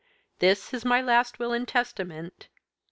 "This is my last will and testament.